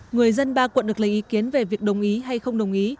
người dân ba quận được lấy ý kiến về việc đồng ý hay không đồng ý